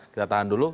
kita tahan dulu